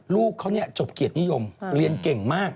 ลูกเขาจบเกียรตินิยมเรียนเก่งมาก